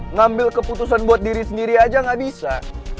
ngambil keputusan buat diri sendiri aja nggak bisa